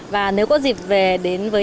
và nếu có dịp về đến với